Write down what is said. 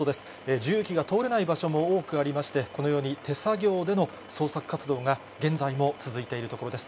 重機が通れない場所も多くありまして、このように手作業での捜索活動が現在も続いているところです。